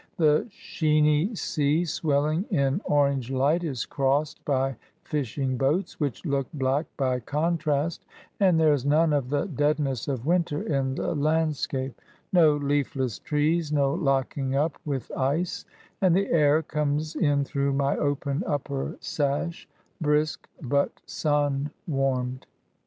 The sheeny sea, swelling in orange light, is crossed by fishing boats, which look black by contrast, and there is none of the deadness of winter in the landscape ; no leafless trees, no locking up with ice ; and the air comes in through my open upper sash brisk, but sun warmed.